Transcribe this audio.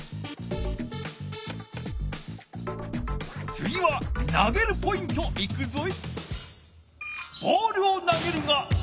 つぎはなげるポイントいくぞい！